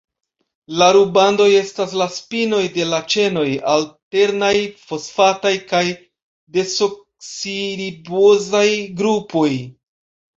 La rubandoj estas la spinoj de la ĉenoj, alternaj fosfataj kaj desoksiribozaj grupoj.